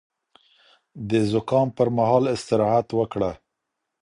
د زکام پر مهال استراحت وکړه